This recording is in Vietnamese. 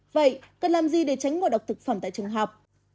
vậy cần làm gì để tránh ngộ độc thực phẩm tại trường học